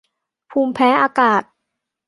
ภูมิแพ้อากาศ